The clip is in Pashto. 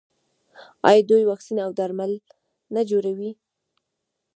آیا دوی واکسین او درمل نه جوړوي؟